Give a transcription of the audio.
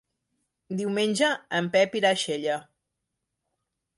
Diumenge en Pep irà a Xella.